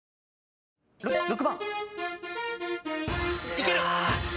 いける！